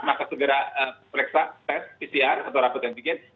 maka segera pereksa pcr atau rapat dan begini